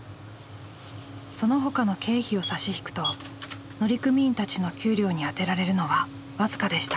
そのほかの経費を差し引くと乗組員たちの給料に充てられるのは僅かでした。